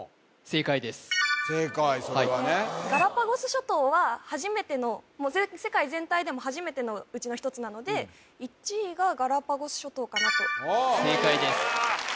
正解それはねガラパゴス諸島は初めての世界全体でも初めてのうちの１つなので１位がガラパゴス諸島かなと正解です